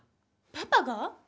パパが？